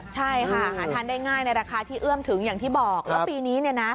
ใช่ค่ะหาทานได้ง่ายในราคาที่เอื้อมถึงอย่างที่บอกแล้วปีนี้เนี่ยนะ